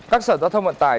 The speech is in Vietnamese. các sở tỏa thông vận tải